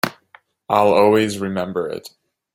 I'll always remember it.